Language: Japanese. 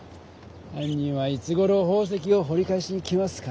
はん人はいつごろ宝石をほり返しに来ますかね？